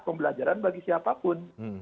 pembelajaran bagi siapapun